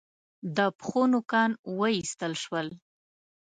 د پښو نوکان و ایستل شول.